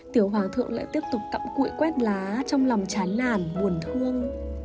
tiểu hòa thượng lại tiếp tục cặm cụi quét lá trong lòng chán làn buồn thương